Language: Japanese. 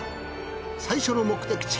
最初の目的地